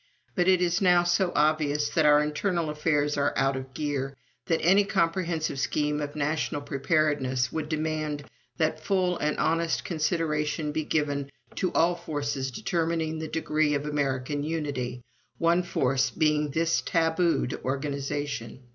But it is now so obvious that our internal affairs are out of gear, that any comprehensive scheme of national preparedness would demand that full and honest consideration be given to all forces determining the degree of American unity, one force being this tabooed organization.